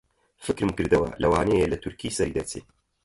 فکرم کردەوە لەوانەیە لە تورکی سەری دەرچێ